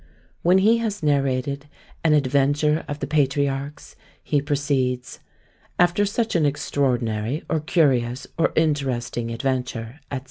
When he has narrated an "Adventure of the Patriarchs," he proceeds, "After such an extraordinary, or curious, or interesting adventure," &c.